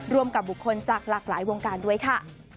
รวมกับบุคคลจากหลากหลายวงการด้วยค่ะ